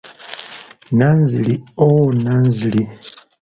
Nanziri oh Nanziri!